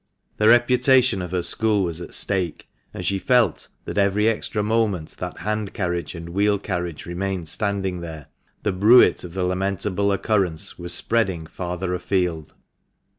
The reputation of her school was at stake, and she felt that every extra moment that hand carriage and wheel carriage remained standing there, the bruit of the lamentable occurrence was spreading farther afield.